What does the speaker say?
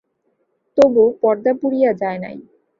তবু পর্দা পুড়িয়া যায় নাই।